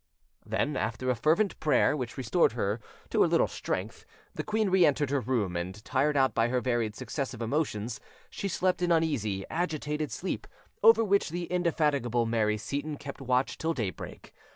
Then, after a fervent prayer, which restored to her a little strength, the queen re entered her room, and, tired out by her varied successive emotions, she slept an uneasy, agitated sleep, over which the indefatigable Mary Seyton kept watch till daybreak.